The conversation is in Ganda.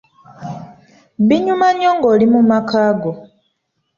Binyuma nnyo ng'oli mu maka go.